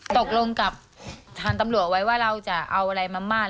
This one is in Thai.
ตกลงกับทางตำรวจไว้ว่าเราจะเอาอะไรมามัด